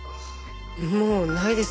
もうないです。